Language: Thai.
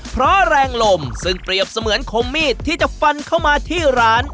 เพราะแรงลมซึ่งเปรียบเสมือนคมมีดที่จะฟันเข้ามาที่ร้าน